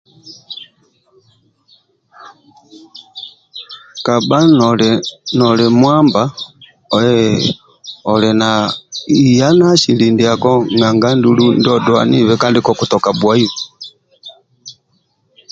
Kabha noli mwamba ehh oli na ya na asili ndiako naga andulu ndionodulanibe kandi kokutoka bhuaibe